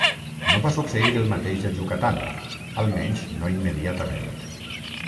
No va succeir el mateix a Yucatán, almenys no immediatament.